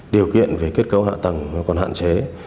điều kiện về kết cấu hạ tầng còn hạn chế